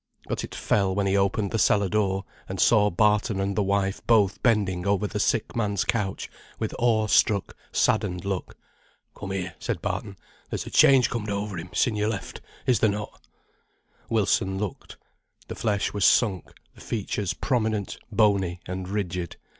But it fell when he opened the cellar door, and saw Barton and the wife both bending over the sick man's couch with awe struck, saddened look. "Come here," said Barton. "There's a change comed over him sin' yo left, is there not?" Wilson looked. The flesh was sunk, the features prominent, bony, and rigid.